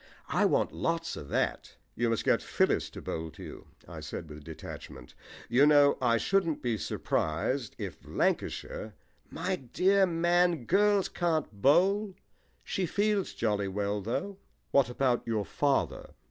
I want lots of that." "You must get Phyllis to bowl to you," I said with detachment. "You know, I shouldn't be surprised if Lancashire " "My dear man, girls can't bowl. She fields jolly well, though." "What about your father?"